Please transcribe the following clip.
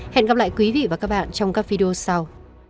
hẹn gặp lại quý vị và các bạn trong các video sau